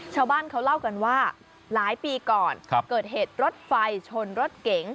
ชาวบ้านเขาเล่ากันว่าหลายปีก่อนเกิดเหตุรถไฟชนรถเก๋ง